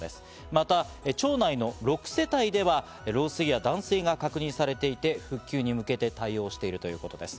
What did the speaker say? また、町内の６世帯では漏水や断水が確認されていて、復旧に向けて対応しているということです。